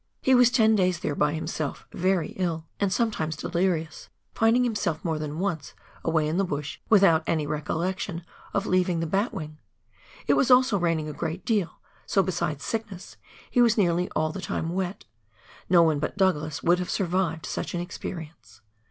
He was ten days there by himself, very ill, and some times delirious — finding himself more than once away in the bush, without any recollection of leaving the batwing. It was also raining a great deal, so, besides sickness, he was nearly all the time wet ; no one but Douglas would have survived such an experience.